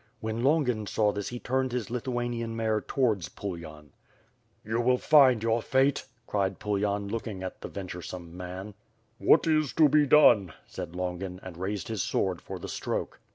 When Longin saw this he turned his Lithuanian mare to wards Pulyan. 384 ^^STF FIRE AND 8W0RD. "You will find your fate," cried Pulyan, looking at the venturesome man. "What is to be done?" said Longin and raised his sword for the stroke.